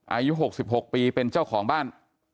อายุ๖๖ปีเป็นเจ้าของบ้าน